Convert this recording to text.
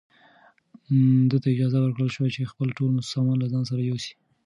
ده ته اجازه ورکړل شوه چې خپل ټول سامان له ځان سره یوسي.